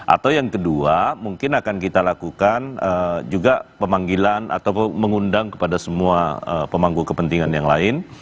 atau yang kedua mungkin akan kita lakukan juga pemanggilan atau mengundang kepada semua pemangku kepentingan yang lain